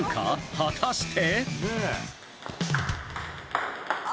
果たして。